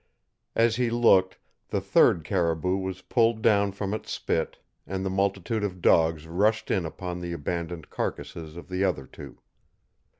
As he looked, the third caribou was pulled down from its spit, and the multitude of dogs rushed in upon the abandoned carcasses of the other two.